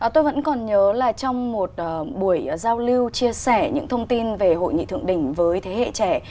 tôi vẫn còn nhớ là trong một buổi giao lưu chia sẻ những thông tin về hội nghị thượng đỉnh với thế hệ trẻ